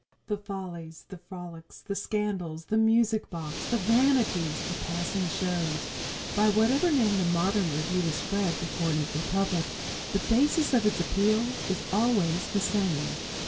The Follies, the Frolics, the Scandals, the Music Box, the Vanities, the Passing Shows by whatever name the modern revue is spread before an eager public, the basis of its appeal is always the same.